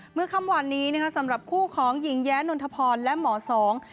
เมื่อค่ำวันนี้นะคะสำหรับคู่ของหญิงแย้นนทพรและหมอสอง